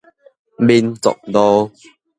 民族路